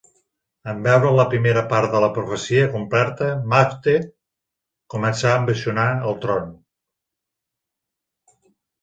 En veure la primera part de la profecia acomplerta, Macbeth comença a ambicionar el tron.